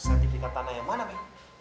sertifikat tanah yang mana nih